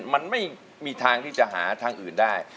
มันไม่มีทางที่จะหาทางอื่นได้